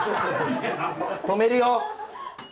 止めるよ。